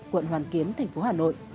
quận hoàn kiếm tp hà nội